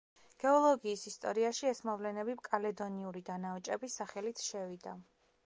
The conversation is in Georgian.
გეოლოგიის ისტორიაში ეს მოვლენები კალედონიური დანაოჭების სახელით შევიდა.